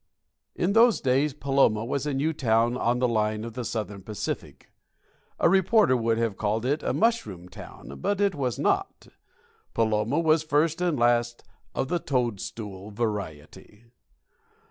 In those days Paloma was a new town on the line of the Southern Pacific. A reporter would have called it a "mushroom" town; but it was not. Paloma was, first and last, of the toadstool variety.